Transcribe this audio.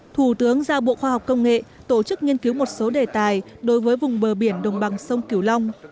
thủ tướng giao bộ khoa học công nghệ tổ chức nghiên cứu một số đề tài đối với vùng bờ biển đồng bằng sông cửu long